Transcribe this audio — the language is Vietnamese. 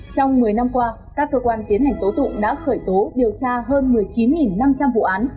trong một mươi năm qua các cơ quan tiến hành tố tụng đã khởi tố điều tra hơn một mươi chín năm trăm linh vụ án